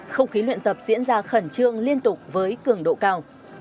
không khí luyện tập diễn ra khẩn trương liên tục với cường độ cao